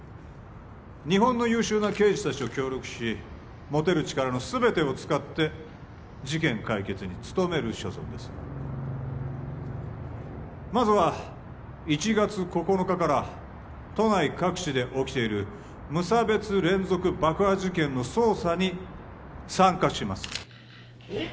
日本の優秀な刑事たちと協力し持てる力の全てを使って事件解決に努める所存ですまずは１月９日から都内各地で起きている無差別連続爆破事件の捜査に参加します・えっ！？